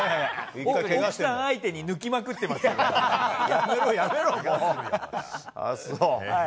奥さん相手に抜きまくってるやめろ、やめろ。